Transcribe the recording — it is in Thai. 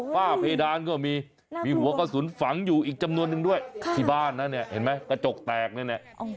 ฝ้าเพดานก็มีมีหัวกระสุนฝังอยู่อีกจำนวนนึงด้วยที่บ้านนะเนี่ยเห็นไหมกระจกแตกเลยเนี่ย